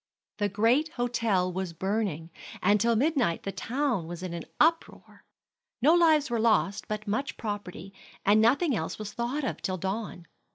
The great hotel was burning, and till midnight the town was in an uproar. No lives were lost, but much property, and nothing else was thought of till dawn.